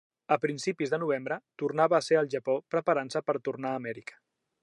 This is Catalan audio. A principis de novembre, tornava a ser al Japó preparant-se per tornar a Amèrica.